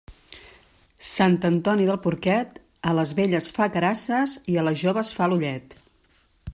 Sant Antoni del porquet, a les velles fa carasses i a les joves fa l'ullet.